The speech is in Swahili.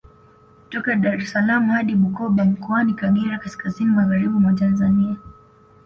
Kutoka Dar es salaam hadi Bukoba Mkoani Kagera kaskazini Magharibi mwa Tanzania